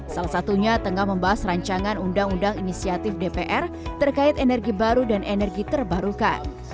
salah satunya tengah membahas rancangan undang undang inisiatif dpr terkait energi baru dan energi terbarukan